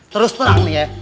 terus terang nih ya